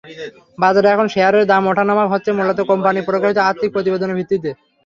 বাজারে এখন শেয়ারের দামের ওঠানামা হচ্ছে মূলত কোম্পানির প্রকাশিত আর্থিক প্রতিবেদনের ভিত্তিতে।